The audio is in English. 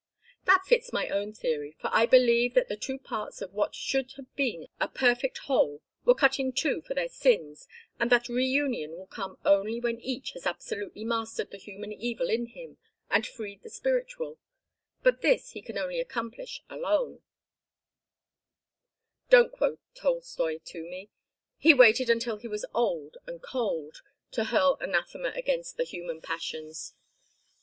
"That fits my own theory, for I believe that the two parts of what should have been a perfect whole were cut in two for their sins, and that reunion will come only when each has absolutely mastered the human evil in him and freed the spiritual, but this he can only accomplish alone " "Don't quote Tolstoi to me! He waited until he was old and cold to hurl anathema against the human passions.